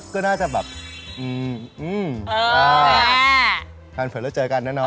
ก็น่าจะแบบอืมอืมแฟนเผลอเจอกันนะคะ